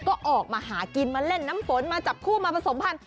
ก็ออกมาหากินมาเล่นน้ำฝนมาจับคู่มาผสมพันธ